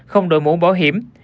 không đổi mũ bảo hiểm